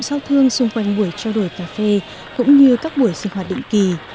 sau thương xung quanh buổi trao đổi cà phê cũng như các buổi sinh hoạt định kỳ